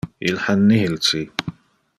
Il ha nihil ci!